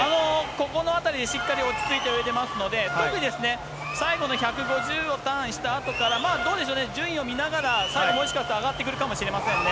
ここのあたりでしっかり落ち着いて泳いでますので、特に最後の１５０をターンしたあとから、どうでしょうね、順位を見ながら、最後、もしかすると上がってくるかもしれませんね。